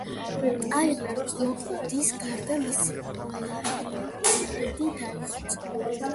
ტაილერ ლოკვუდის გარდა მისი ყველა ჰიბრიდი დაიხოცა.